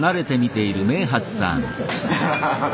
ハハハハハ！